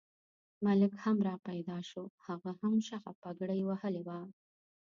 ملک هم را پیدا شو، هغه هم شخه پګړۍ وهلې وه.